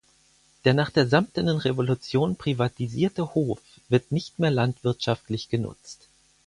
Der nach der Samtenen Revolution privatisierte Hof wird nicht mehr landwirtschaftlich genutzt.